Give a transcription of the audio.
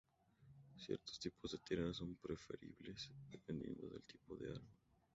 Ciertos tipos de tierras son preferibles, dependiendo del tipo de árbol.